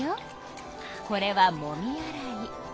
これはもみ洗い。